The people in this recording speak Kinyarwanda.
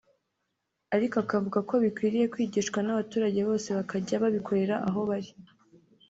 ariko akavuga ko bikwiriye kwigishwa n’abaturage bose bakajya babikorera aho bari